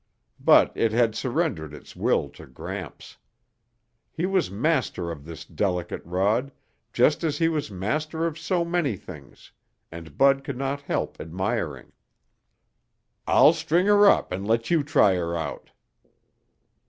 But it had surrendered its will to Gramps. He was master of this delicate rod just as he was master of so many things, and Bud could not help admiring. "I'll string her up and let you try her out."